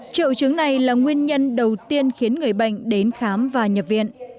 triệu chứng này là nguyên nhân đầu tiên khiến người bệnh đến khám và nhập viện